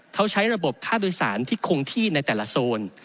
เขาใช้ระบบค่าโดยสารที่คงที่ในแต่ละโซน